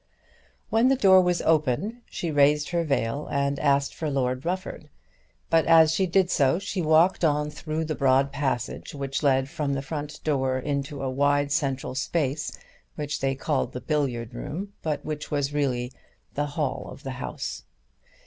When the door was opened she raised her veil and asked for Lord Rufford; but as she did so she walked on through the broad passage which led from the front door into a wide central space which they called the billiard room but which really was the hall of the house.